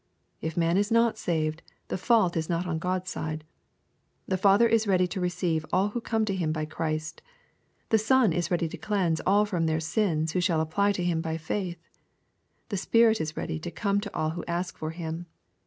If man is not saved, the fault is not pn God's side The Father is ready to receive all who come to Him by Christ. The Son is ready to cleanse all from their sins who apply to Him by faith. The Spirit is ready to come to all who ask for Him.